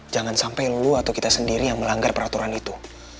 jangan sampai lu atau kita sendiri yang melanggar peraturan itu